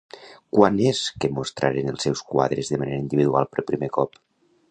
Quan és que mostraren els seus quadres de manera individual per primer cop?